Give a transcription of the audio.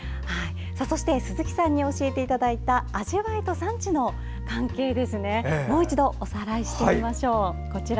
そして、鈴木さんに教えていただいた味わいと産地の関係なんですけれどももう一度おさらいしていきましょう。